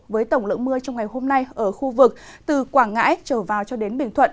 với tổng lượng mưa trong ngày hôm nay ở khu vực từ quảng ngãi trở vào cho đến bình thuận